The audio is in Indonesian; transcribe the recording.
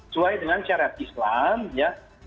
sesuai dengan syarat islam ya